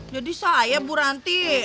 jadi saya bu ranti